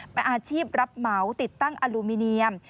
เป็นอาชีพรับเหมาติดตั้งอลูมิเนียม